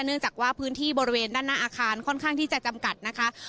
เนื่องจากว่าพื้นที่บริเวณด้านหน้าอาคารค่อนข้างที่จะจำกัดนะคะ